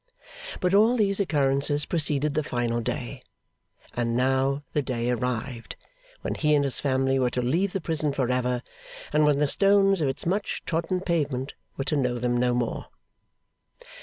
But all these occurrences preceded the final day. And now the day arrived when he and his family were to leave the prison for ever, and when the stones of its much trodden pavement were to know them no more.